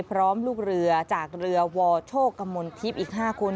พร้อมลูกเรือจากเรือวอโชคกมลทิพย์อีก๕คน